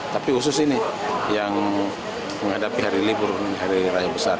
tapi khusus ini yang menghadapi hari libur hari raya besar